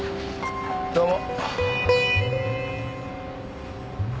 どうも。